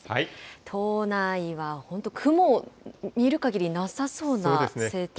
都内は本当、雲、見るかぎりなさそうな晴天で。